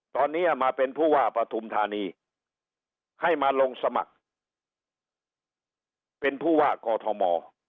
ตอนนี้มาเป็นผู้ว่าปฐุมธานีให้มาลงสมัครเป็นผู้ว่ากอทม